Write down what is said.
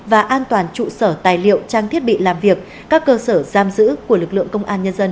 và an toàn trụ sở tài liệu trang thiết bị làm việc các cơ sở giam giữ của lực lượng công an nhân dân